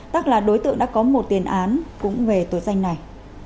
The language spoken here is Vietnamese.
tác là đối tượng đã có một tiền án cũng về tội danh này